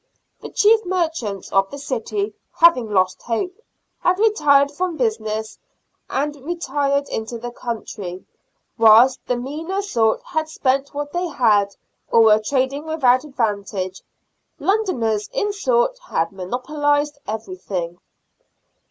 The chief merchants of the city, having lost hope, had retired from business and retired into the country, whilst the meaner sort had spent what they had, or were trading without advantage. Londoners, in short, had monopolised everything.